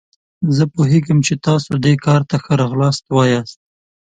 زه پوهیږم چې تاسو دې کار ته ښه راغلاست وایاست.